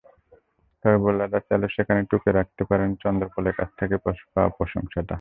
তবে বোলাররা চাইলে সেখানে টুকে রাখতে পারেন চন্দরপলের কাছ থেকে পাওয়া প্রশংসাটা।